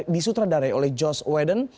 di sutradari oleh joss whedon